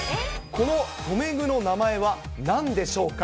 この留め具の名前はなんかでしょうか。